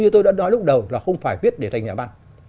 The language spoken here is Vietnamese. tôi đã nói lúc đầu là không phải viết để thành nhà băng